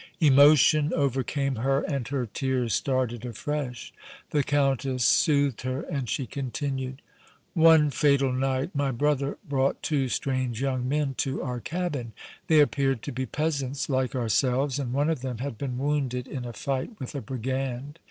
Emotion overcame her and her tears started afresh. The Countess soothed her and she continued: "One fatal night, my brother brought two strange young men to our cabin. They appeared to be peasants like ourselves, and one of them had been wounded in a fight with a brigand.